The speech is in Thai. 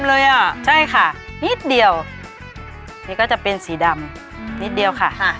เลยอ่ะใช่ค่ะนิดเดียวนี่ก็จะเป็นสีดำนิดเดียวค่ะ